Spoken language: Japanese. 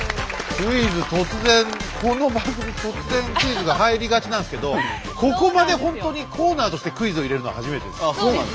クイズ突然この番組突然クイズが入りがちなんすけどここまでほんとにコーナーとしてクイズを入れるのは初めてです。